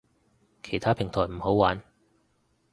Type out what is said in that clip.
其他平台唔好玩